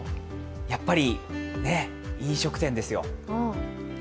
やっぱり飲食店ですよ。